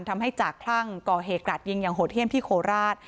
ทำให้จากคลั่งก่อเหกหลัดยิงอย่างโหเที่ยนพี่โคราช